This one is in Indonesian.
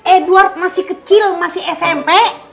edward masih kecil masih smp